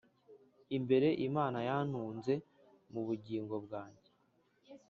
imbere Imana yantunze mu bugingo bwanjye